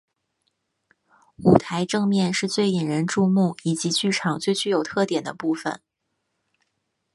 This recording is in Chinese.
舞台正面是最引人注目以及剧场最具有特点的部分。